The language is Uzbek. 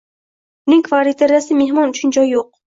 Uning kvartirasida mehmon uchun joy yo`q